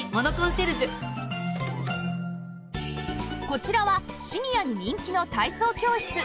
こちらはシニアに人気の体操教室